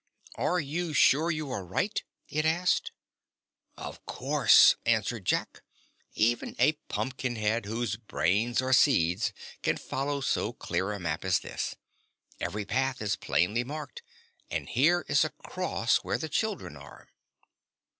"Are you sure you are right?" it asked. "Of course," answered Jack. "Even a Pumpkinhead whose brains are seeds can follow so clear a map as this. Every path is plainly marked, and here is a cross where the children are."